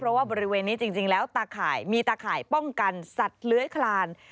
เพราะว่าบริเวณนี้จริงแล้วตาข่ายมีตาข่ายป้องกันสัตว์เลื้อยคลาน